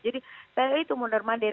jadi saya itu mundur mandir